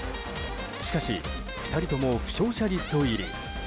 しかし、２人とも負傷者リスト入り。